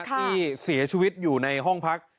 ที่เสียชีวิตอยู่ในห้องพัก